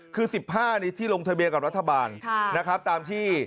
คือ๑๕นี่ที่ลงทะเบียนกับรัฐบาลนะครับตามที่